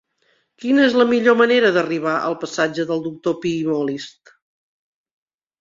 Quina és la millor manera d'arribar al passatge del Doctor Pi i Molist?